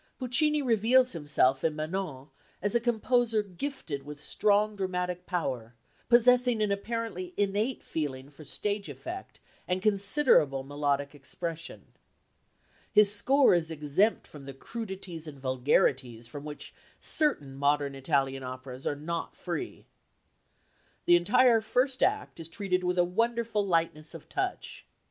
Puccini reveals himself in Manon as a composer gifted with strong dramatic power, possessing an apparently innate feeling for stage effect and considerable melodic expression. His score is exempt from the crudities and vulgarities from which certain modern Italian operas are not free. The entire first act is treated with a wonderful lightness of touch.